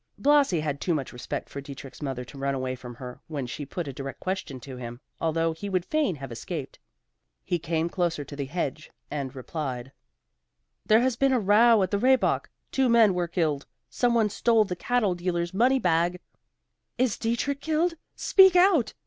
Blasi had too much respect for Dietrich's mother to run away from her when she put a direct question to him, although he would fain have escaped. He came close to the hedge, and replied, "There has been a row at the Rehbock. Two men were killed. Some one stole the cattle dealer's money bag " "Is Dietrich killed? Speak out!"